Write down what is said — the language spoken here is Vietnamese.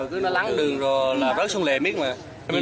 rồi cứ nó lắng đường rồi là rớt xuống lề mít mà